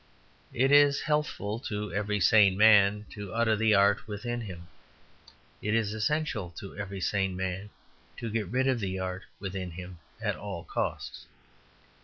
It is healthful to every sane man to utter the art within him; it is essential to every sane man to get rid of the art within him at all costs.